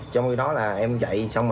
trong khi đó là em chạy xong